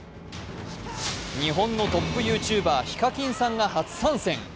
日本のトップＹｏｕＴｕｂｅｒＨＩＫＡＫＩＮさんが初参戦。